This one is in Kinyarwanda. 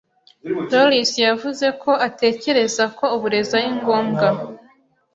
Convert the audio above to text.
Doris yavuze ko atekereza ko uburezi ari ngombwa.